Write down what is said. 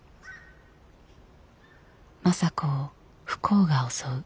政子を不幸が襲う。